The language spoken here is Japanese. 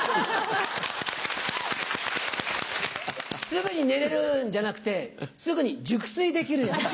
すぐに寝れるんじゃなくてすぐに熟睡できるやつ。